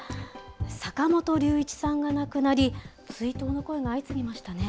坂本龍一さんが亡くなり、追悼の声が相次ぎましたね。